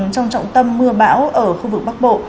trong trọng tâm mưa bão ở khu vực bắc bộ